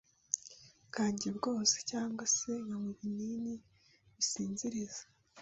bwanjye bwose cyangwa se nkanywa ibinini bisinziriza